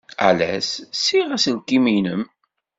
Ales ssiɣ aselkim-nnem.